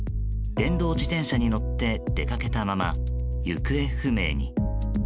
電動自動車に乗って出かけたまま行方不明に。